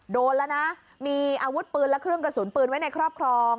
โดนแล้วนะมีอาวุธปืนและเครื่องกระสุนปืนไว้ในครอบครอง